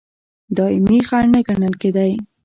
دایمي خنډ نه ګڼل کېدی.